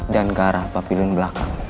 dan ke arah papilin belakang